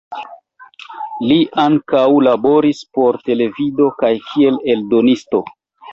Li ankaŭ laboris por televido kaj kiel eldonisto.